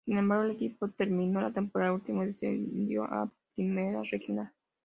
Sin embargo el equipo terminó la temporada último y descendió a Primera Regional.